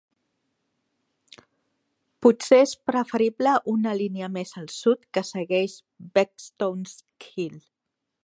Potser és preferible una línia més al sud que segueix Beckstones Gill.